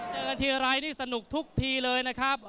ทีไรนี่สนุกทุกทีเลยนะครับ